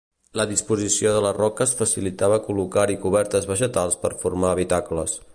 La disposició de les roques facilitava col·locar-hi cobertes vegetals per formar habitacles.